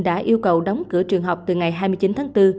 đã yêu cầu đóng cửa trường học từ ngày hai mươi chín tháng bốn